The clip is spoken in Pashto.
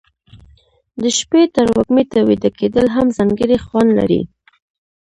د شپې تروږمي ته ویده کېدل هم ځانګړی خوند لري.